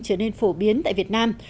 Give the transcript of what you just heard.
trở nên phổ biến tại việt nam